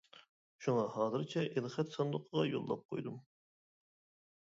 شۇڭا ھازىرچە ئېلخەت ساندۇقىغا يوللاپ قويدۇم.